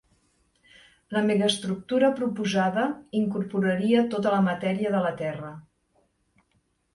La megastructura proposada incorporaria tota la matèria de la Terra.